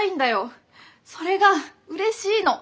それがうれしいの。